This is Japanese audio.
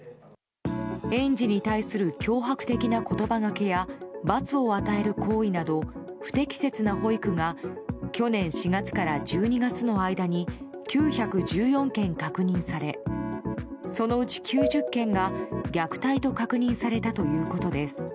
園児に対する脅迫的な言葉がけや罰を与える行為など不適切な保育が去年４月から１２月の間に９１４件確認されそのうち９０件が虐待と確認されたということです。